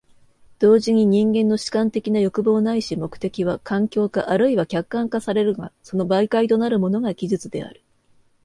同時に人間の主観的な欲望ないし目的は環境化或いは客観化されるが、その媒介となるものが技術である。